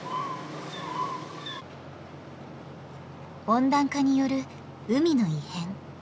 温暖化による海の異変。